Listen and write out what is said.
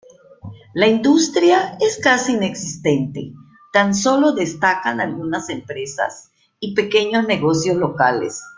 La industria es casi inexistente, tan solo destacan algunas empresas y pequeños negocios locales.